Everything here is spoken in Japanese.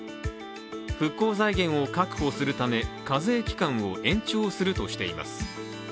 復興財源を確保するため課税期間を延長するとしています。